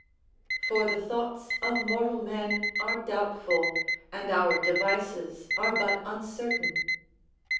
_ "For the thoughts of mortal men are doubtful; and our devices are but uncertain."